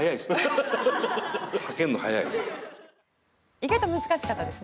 意外と難しかったです。